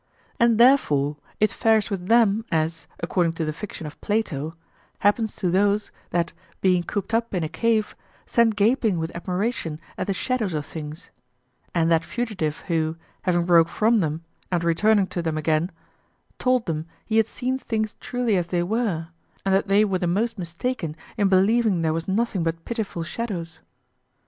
And therefore it fares with them as, according to the fiction of Plato, happens to those that being cooped up in a cave stand gaping with admiration at the shadows of things; and that fugitive who, having broke from them and returning to them again, told them he had seen things truly as they were, and that they were the most mistaken in believing there was nothing but pitiful shadows.